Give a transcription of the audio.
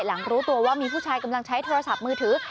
รู้ตัวว่ามีผู้ชายกำลังใช้โทรศัพท์มือถือ